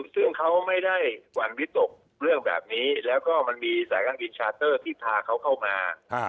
ซึ่งเขาไม่ได้หวั่นวิตกเรื่องแบบนี้แล้วก็มันมีสายการบินชาเตอร์ที่พาเขาเข้ามา